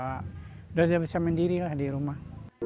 udah dia bisa sendiri lah di rumah